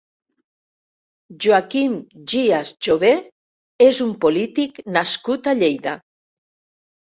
Joaquín Gías Jové és un polític nascut a Lleida.